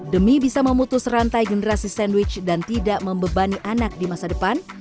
demi bisa memutus rantai generasi sandwich dan tidak membebani anak di masa depan